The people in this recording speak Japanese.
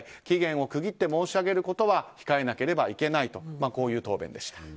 期限を区切って申し上げることは控えなければいけないとこういう答弁でした。